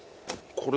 これ。